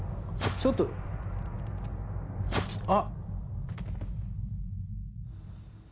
ちょっとあ。